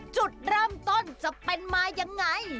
จุดเริ่มต้นจะเป็นมายังไง